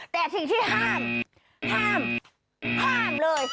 แต่สิ่งที่ห้ามห้ามเลย